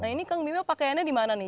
nah ini kang bima pakaiannya dimana nih